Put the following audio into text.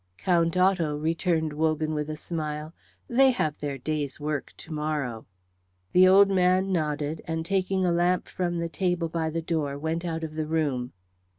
"Count Otto," returned Wogan, with a smile, "they have their day's work to morrow." The old man nodded, and taking a lamp from a table by the door went out of the room.